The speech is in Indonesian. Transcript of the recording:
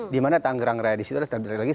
di mana tanggerang raya di situ adalah